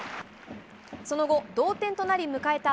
その後、同点となり迎えた